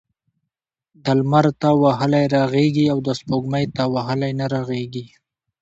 د لمر تاو وهلی رغیږي او دسپوږمۍ تاو وهلی نه رغیږی .